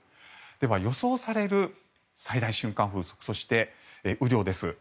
では、予想される最大瞬間風速そして、雨量です。